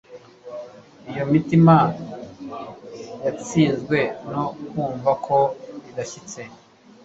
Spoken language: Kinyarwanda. Iyo mitima yatsinzwe no kumva ko idashyitse,